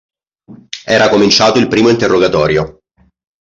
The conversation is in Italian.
Era cominciato il primo interrogatorio.